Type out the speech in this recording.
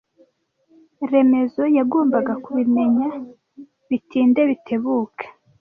Remezo yagombaga kubimenya bitinde bitebuke.